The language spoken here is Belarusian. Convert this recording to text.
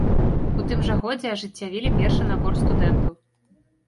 У тым жа годзе ажыццявілі першы набор студэнтаў.